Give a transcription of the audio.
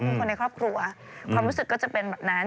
เป็นคนในครอบครัวความรู้สึกก็จะเป็นแบบนั้น